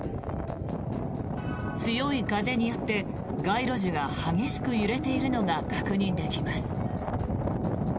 強い風によって街路樹が激しく揺れているのが確認できます。